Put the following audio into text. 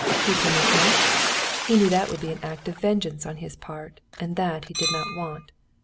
Keep him with him? He knew that would be an act of vengeance on his part, and that he did not want.